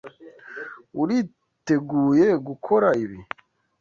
Uriteguye gukora ibi?